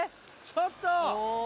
ちょっと。